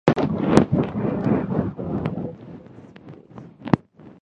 Por lo general siempre hay cola para recibir este servicio.